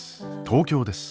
東京です。